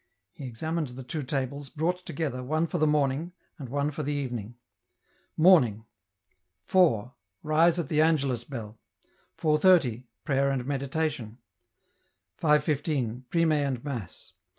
He examined the two tables, brought together, one for the morning, and one for the evening. Morning. 4. Rise at the Angelus bell. 4.30. Prayer and Meditation. EN ROUTE. 157 5.15. Prime and Mass.